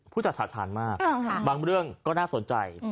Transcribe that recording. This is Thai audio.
พูดสัดสะทานมากบางเรื่องก็น่าสนใจ